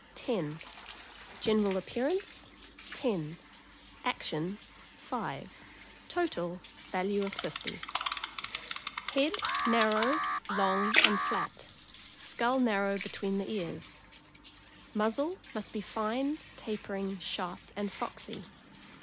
5 General appearance 10 Feet 5 Action 5 Body 5 Total 50 Head narrow, long, and flat; skull narrow between the ears. Muzzle must be fine, tapering, sharp, and foxy.